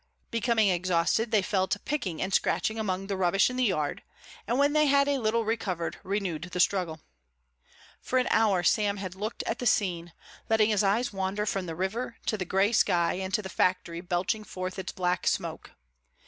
Becoming exhausted, they fell to picking and scratching among the rubbish in the yard, and when they had a little recovered renewed the struggle. For an hour Sam had looked at the scene, letting his eyes wander from the river to the grey sky and to the factory belching forth its black smoke.